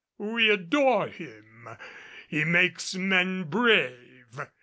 We adore him. He makes men brave."